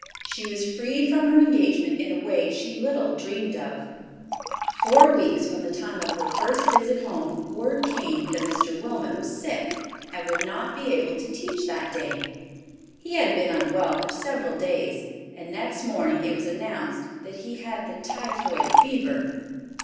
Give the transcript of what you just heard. She was freed from her engagement in a way she little dreamed of. Four weeks from the time of her first visit home, word came that Mr. Wilmot was sick and would not be able to teach that day. He had been unwell for several days, and next morning it was announced that he had the typhoid fever.